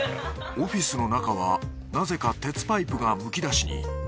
オフィスの中はなぜか鉄パイプがむき出しに。